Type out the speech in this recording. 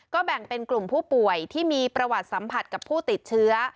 แบ่งเป็นกลุ่มผู้ป่วยที่มีประวัติสัมผัสกับผู้ติดเชื้อ